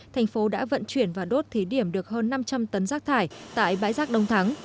thành phố đã vận chuyển và đốt thí điểm được hơn năm trăm linh tấn rác thải tại bãi rác đông thắng